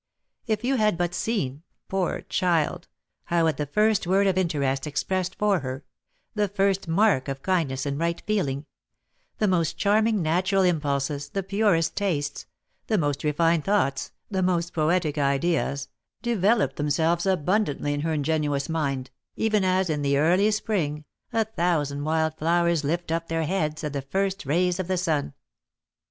If you had but seen, poor child! how, at the first word of interest expressed for her, the first mark of kindness and right feeling, the most charming natural impulses, the purest tastes, the most refined thoughts, the most poetic ideas, developed themselves abundantly in her ingenuous mind, even as, in the early spring, a thousand wild flowers lift up their heads at the first rays of the sun!